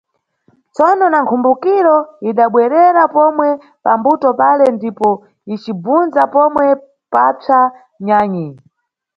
Tsono, na mkhumbukiro idabwerera pomwe pa mbuto pale ndipo icibvunza pomwe papsa nyanyi.